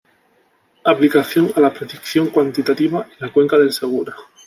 Aplicación a la predicción cuantitativa en la cuenca del Segura.